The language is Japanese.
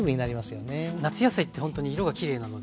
夏野菜ってほんとに色がきれいなので。